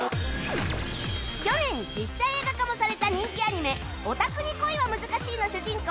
去年実写映画化もされた人気アニメ『ヲタクに恋は難しい』の主人公